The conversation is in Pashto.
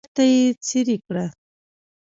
بیرته یې څیرې کړه.